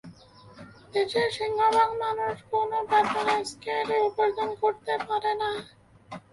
দেশের সিংহভাগ মানুষ কোনো বেতন স্কেলে উপার্জন করেন না।